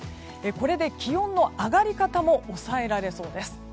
これで気温の上がり方も抑えられそうです。